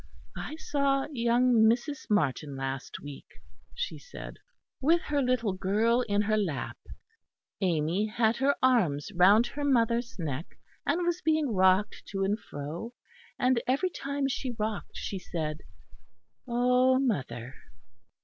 "I saw young Mrs. Martin last week," she said, "with her little girl in her lap. Amy had her arms round her mother's neck, and was being rocked to and fro; and every time she rocked she said 'Oh, mother.'"